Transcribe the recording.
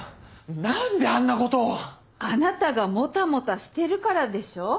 ・何であんなことを⁉あなたがもたもたしてるからでしょ。